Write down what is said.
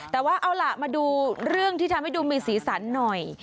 แต่ว่าเอาล่ะมาดูเรื่องที่ทำให้ดูมีสีสันหน่อย